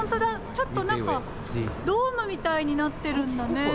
ちょっと何かドームみたいになってるんだね。